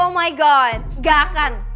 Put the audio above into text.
oh my god gak akan